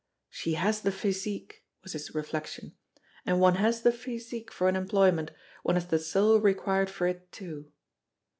"She has the physique," was his reflection, "and when one has the physique for an employment, one has the soul required for it, too!"